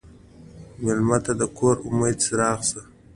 مېلمه ته د کور د امید څراغ شه.